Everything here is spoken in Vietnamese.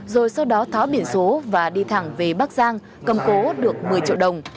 rồi sau đó tháo biển số và đi thẳng về bắc giang cầm cố được một mươi triệu đồng